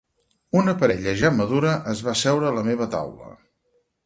Una parella ja madura es va asseure a la meva taula.